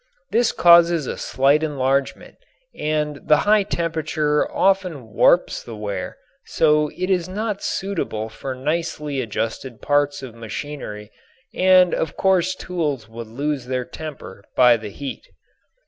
This causes a slight enlargement and the high temperature often warps the ware so it is not suitable for nicely adjusted parts of machinery and of course tools would lose their temper by the heat.